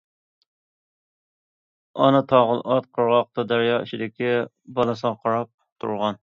ئانا تاغىل ئات قىرغاقتا دەريا ئىچىدىكى بالىسىغا قاراپ تۇرغان.